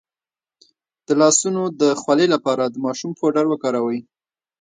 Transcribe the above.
د لاسونو د خولې لپاره د ماشوم پوډر وکاروئ